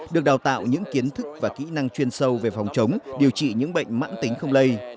được đào tạo những kiến thức và kỹ năng chuyên sâu về phòng chống điều trị những bệnh mãn tính không lây